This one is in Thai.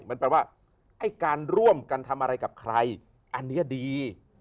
มันแปลว่าไอ้การร่วมกันทำอะไรกับใครอันนี้ดี